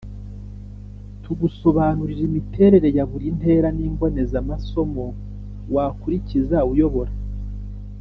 tugusobanurira imiterere ya buri ntera n’imbonezamasomo wakurikiza uyobora